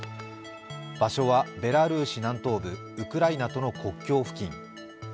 場所はベラルーシ南東部ウクライナとの国境付近。